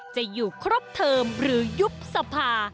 จะอยู่ครบเทอมหรือยุบสภา